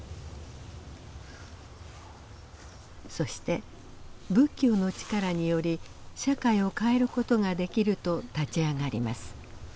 そして仏教の力により社会を変える事ができると立ち上がります。